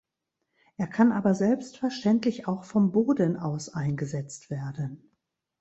Er kann aber selbstverständlich auch vom Boden aus eingesetzt werden.